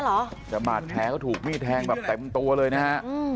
หรอแต่บาทแทนก็ถูกมีแทงแบบแต่มันตัวเลยนะฮะ